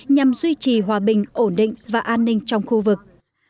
nhằm duy trì hòa bình ổn định và an ninh trong khu vực